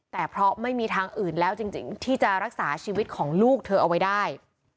แต่เพราะไม่มีทางอื่นแล้วจริงที่จะรักษาชีวิตของลูกเธอเอาไว้ได้